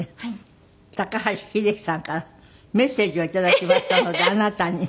高橋英樹さんからメッセージを頂きましたのであなたに。